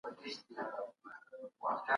که چېرې تاسو روغ یاست، نو ورزش وکړئ.